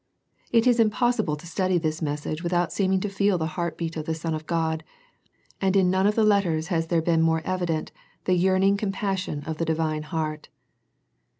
It is impossible to study this message without seeming to feel the heartbeat of the Son of God, and in none of the letters has there been more evident the yearning compassion of the Divine heart.